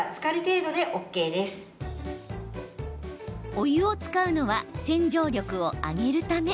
お湯を使うのは洗浄力を上げるため。